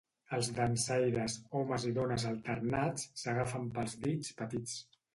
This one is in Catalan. Els dansaires, homes i dones alternats, s'agafen pels dits petits.